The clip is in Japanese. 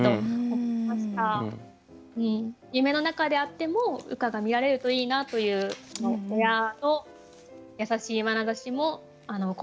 夢のなかであっても羽化が見られるといいなという親の優しいまなざしも込められているように思います。